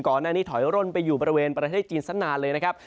ก่อนหน้านี้ถอยร่นไปอยู่บริเวณประเทศจีนสักนานเลยนะครับ